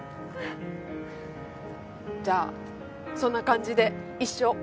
じゃあそんな感じで一生。